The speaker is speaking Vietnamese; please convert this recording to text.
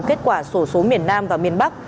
kết quả sổ số miền nam và miền bắc